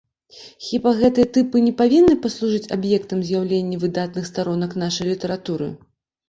Хіба гэтыя тыпы не павінны паслужыць аб'ектам з'яўлення выдатных старонак нашай літаратуры?